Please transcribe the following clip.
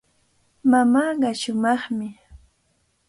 Mamaaqa shumaqmi.